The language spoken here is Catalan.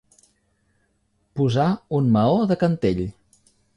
Posar un maó de cantell.